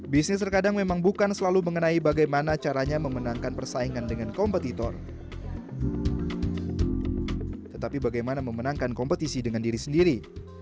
bisnis terkadang memang bukan selalu mengenai bagaimana caranya memenangkan persaingan dengan kompetitor tetapi bagaimana memenangkan kompetisi dengan diri sendiri